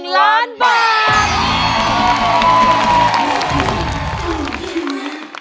๑ล้านบาท